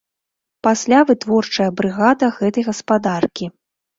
Пасля вытворчая брыгада гэтай гаспадаркі.